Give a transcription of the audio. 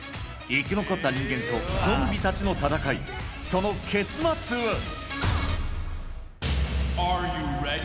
生き残った人間とゾンビたちの戦い、その結末は。